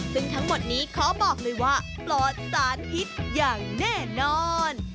ซึ่งทั้งหมดนี้ขอบอกเลยว่าปลอดสารพิษอย่างแน่นอน